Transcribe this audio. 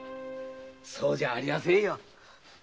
そうじゃありませんよ。